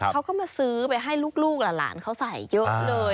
เขาก็มาซื้อไปให้ลูกหลานเขาใส่เยอะเลย